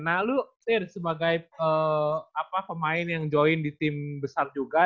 nah lu saya sebagai pemain yang join di tim besar juga